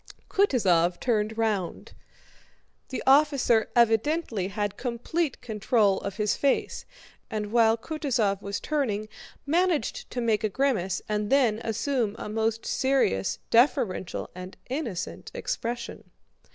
Kutúzov turned round. The officer evidently had complete control of his face, and while Kutúzov was turning managed to make a grimace and then assume a most serious, deferential, and innocent expression.